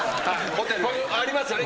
ありますよね